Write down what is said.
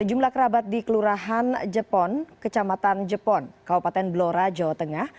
sejumlah kerabat di kelurahan jepon kecamatan jepon kabupaten blora jawa tengah